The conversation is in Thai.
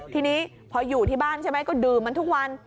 ทีนี้พออยู่ที่บ้านใช่ไหมก็ดื่มมันทุกวัน